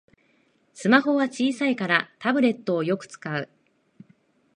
スマホは小さいからタブレットをよく使う